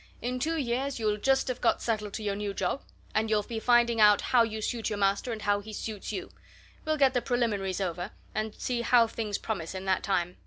In two years you'll just have got settled to your new job, and you'll be finding out how you suit your master and how he suits you we'll get the preliminaries over, and see how things promise in that time.